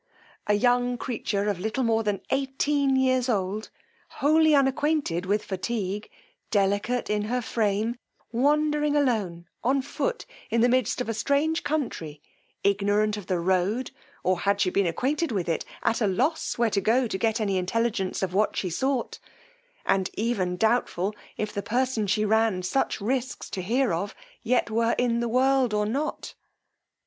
A young creature of little more than eighteen years old, wholly unacquainted with fatigue, delicate in her frame, wandering alone on foot in the midst of a strange country, ignorant of the road, or had she been acquainted with it, at a loss where to go to get any intelligence of what she sought, and even doubtful if the person she ran such risques to hear of, yet were in the world or not.